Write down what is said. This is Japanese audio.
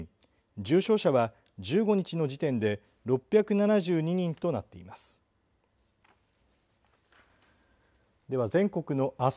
重症者は１５日の時点で６７２人となっています。